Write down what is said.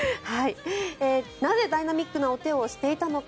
なぜダイナミックなお手をしていたのか。